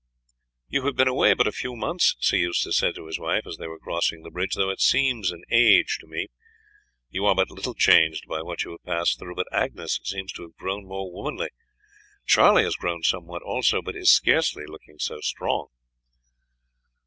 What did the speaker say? "You have been away but a few months," Sir Eustace said to his wife, as they were crossing the bridge, "though it seems an age to me. You are but little changed by what you have passed through, but Agnes seems to have grown more womanly. Charlie has grown somewhat also, but is scarcely looking so strong!"